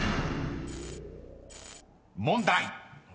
［問題］